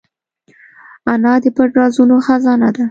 انا د پټ رازونو خزانه ده